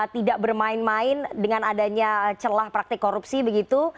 tidak bermain main dengan adanya celah praktik korupsi begitu